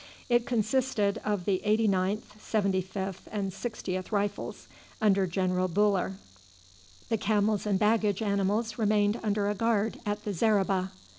It consisted of the 89th, 75th, and 60th Rifles, under General Buller. The camels and baggage animals remained under a guard at the zareba.